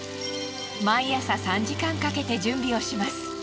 毎朝３時間かけて準備をします。